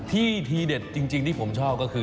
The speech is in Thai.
ทีเด็ดจริงที่ผมชอบก็คือ